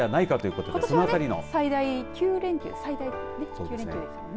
ことしは最大９連休ですもんね。